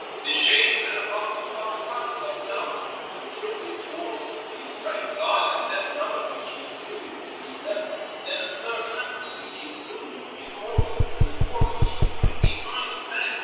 "The sheikh thereupon took up a handful of dust and threw it towards his right side, and then another which he threw to his left, then a third handful which he threw before him, and a fourth which he threw behind his back.